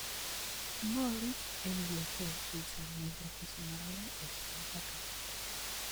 Moritz en el este de Suiza, mientras que su madre es polaca.